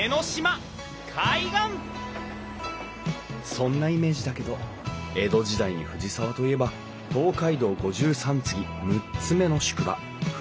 そんなイメージだけど江戸時代に藤沢といえば東海道五十三次６つ目の宿場藤沢宿。